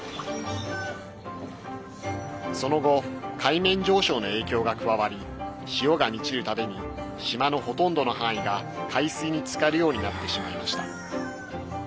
その後、海面上昇の影響が加わり潮が満ちるたびに島のほとんどの範囲が海水につかるようになってしまいました。